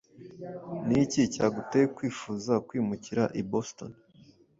Niki cyaguteye kwifuza kwimukira i Boston?